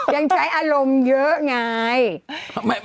ยังใช้อารมณ์เยอะไง